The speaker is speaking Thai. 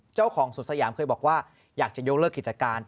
เจ้าของสวนสยามเคยบอกว่าอยากจะยกเลิกกิจการ